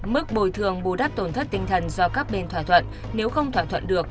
mức bồi thường bù đắp tổn thất tinh thần do các bên thỏa thuận nếu không thỏa thuận được